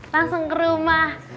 langsung ke rumah